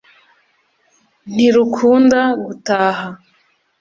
ntirukunda gutaha